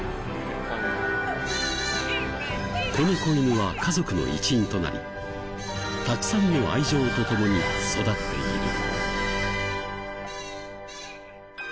この子犬は家族の一員となりたくさんの愛情と共に育っている。